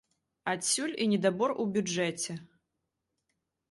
Адсюль і недабор у бюджэце.